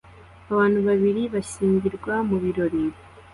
Abantu babiri bashyingirwa mu birori